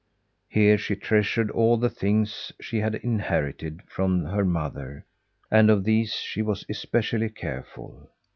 Here she treasured all the things she had inherited from her mother, and of these she was especially careful.